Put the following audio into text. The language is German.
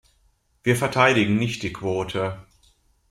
Wir verteidigen nicht die Quote.